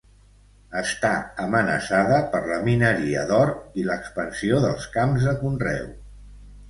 Està amenaçada per la mineria d'or i l'expansió dels camps de conreu.